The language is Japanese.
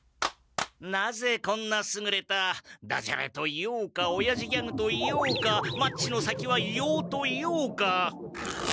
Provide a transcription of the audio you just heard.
なぜこんなすぐれたダジャレと言おうかおやじギャグと言おうかマッチの先は硫黄と言おうか。